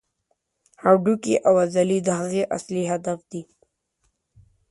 هډوکي او عضلې د هغې اصلي هدف دي.